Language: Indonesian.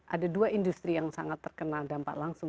ada dua industri yang sangat terkena dampak langsung